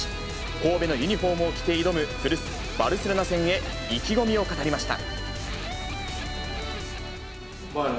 神戸のユニホームを着て挑む古巣、バルセロナ戦へ、意気込みを語りました。